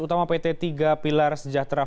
utama pt tiga pilar sejahtera